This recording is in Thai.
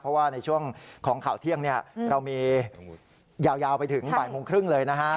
เพราะว่าในช่วงของข่าวเที่ยงเรามียาวไปถึงบ่ายโมงครึ่งเลยนะฮะ